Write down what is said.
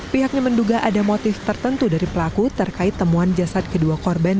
pihaknya menduga ada motif tertentu dari pelaku terkait temuan jasad kedua korban